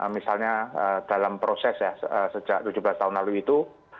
misalnya dalam proses ya sejak tujuh belas tahun lalu itu